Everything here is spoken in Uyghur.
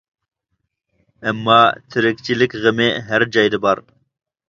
ئەمما تىرىكچىلىك غېمى ھەر جايدا بار.